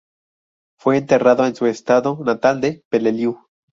Fue enterrado en su estado natal de Peleliu.